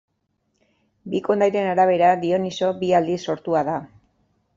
Bi kondairen arabera Dioniso bi aldiz sortua da.